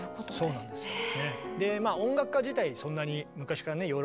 そうなんですよね。